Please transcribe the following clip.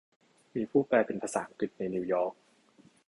มีผู้แปลเป็นภาษาอังกฤษในนิวยอร์ค